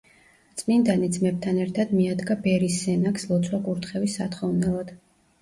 წმინდანი ძმებთან ერთად მიადგა ბერის სენაკს ლოცვა-კურთხევის სათხოვნელად.